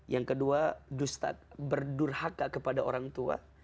yang kedua dusta berdurhaka kepada orang tua